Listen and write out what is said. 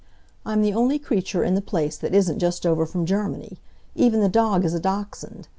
I'm the only creature in the place that isn't just over from Germany. Even the dog is a dachshund.